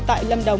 tại lâm đồng